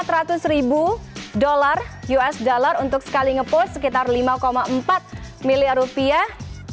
empat ratus ribu dolar usd untuk sekali ngepost sekitar lima empat miliar rupiah